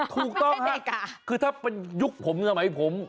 ถูกต้องนะคือถ้าเป็นยุคผมสมัยผม